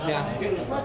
motifnya apa kemarin